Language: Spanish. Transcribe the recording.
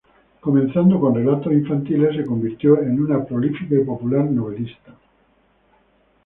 Comenzando con relatos infantiles, se convirtió en una prolífica y popular novelista.